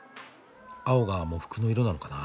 青が喪服の色なのかな。